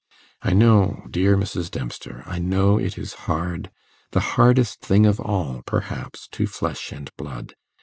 I know, dear Mrs. Dempster, I know it is hard the hardest thing of all, perhaps to flesh and blood.